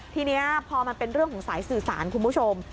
ทีนี้พอมันเป็นเรื่องของสายสื่อสารคุณผู้ชม